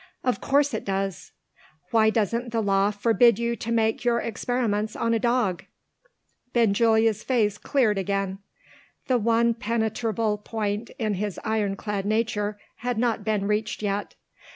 "Of course it does!" "Why doesn't the Law forbid you to make your experiments on a dog?" Benjulia's face cleared again. The one penetrable point in his ironclad nature had not been reached yet.